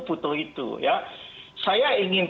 butuh itu saya ingin